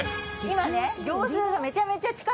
今ね。